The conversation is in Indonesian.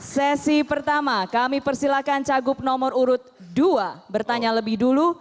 sesi pertama kami persilakan cagup nomor urut dua bertanya lebih dulu